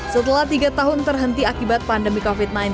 setelah tiga tahun terhenti akibat pandemi covid sembilan belas